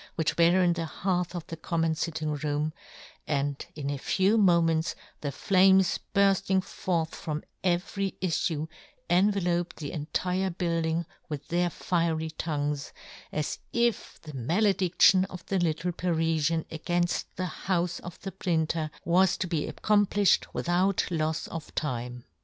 79 which were in the hearth of the common fitting room, and in a few moments the flames burfting forth from every ifTue enveloped the en tire building with their fiery tongues, as if the maledidtion of the little Parifian againft the houfe of the printer was to be accomplifhed with out lofs of time.